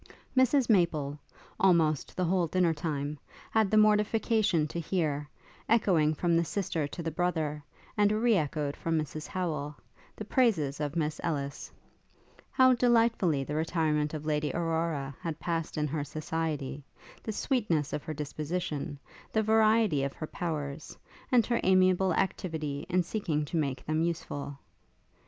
Mrs Maple, almost the whole dinner time, had the mortification to hear, echoing from the sister to the brother, and re echoed from Mrs Howel, the praises of Miss Ellis; how delightfully the retirement of Lady Aurora had passed in her society; the sweetness of her disposition, the variety of her powers, and her amiable activity in seeking to make them useful.